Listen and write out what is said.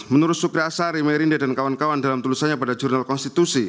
menurut sukri asari merindya dan kawan kawan dalam tulisannya pada jurnal khususi